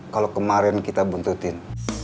kalau kemarin kita buntutin